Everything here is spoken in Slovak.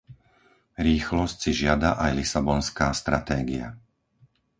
Rýchlosť si žiada aj lisabonská stratégia.